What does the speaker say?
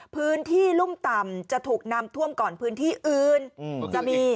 พื้นที่รุ่มต่ำจะถูกนำท่วมก่อนพื้นที่อื่นจะมี